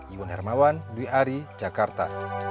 iwan hermawan dwi ari jakarta